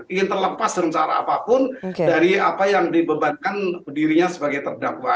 ingin terlepas dengan cara apapun dari apa yang dibebankan dirinya sebagai terdakwa